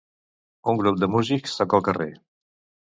Un grup de músics toca al carrer